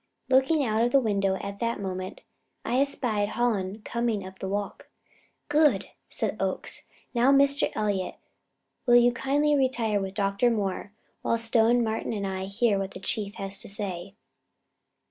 Looking out of the window at that moment, I espied Hallen coming up the walk. "Good!" said Oakes. "Now, Mr. Elliott, will you kindly retire with Dr. Moore, while Stone, Martin and I hear what the Chief has to say."